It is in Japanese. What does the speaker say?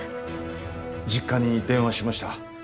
実家に電話しました。